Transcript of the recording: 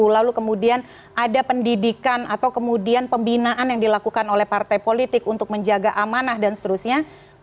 lalu kemudian ada pendidikan atau kemudian pembinaan yang dilakukan oleh partai politik untuk menjaga amanah dan seterusnya